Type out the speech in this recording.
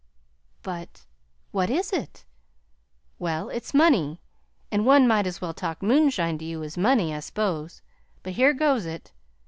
"But what is it?" "Well, it's money and one might as well talk moonshine to you as money, I s'pose; but here goes it.